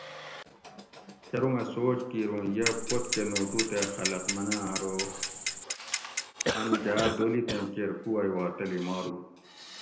شرومہۤ سوچ کِیر اُوں یہ پوت کہ نوٹو تے خلق مناۤں ارو اۤن جاۤ دولِتین کیر کُووئ وا تلی مارو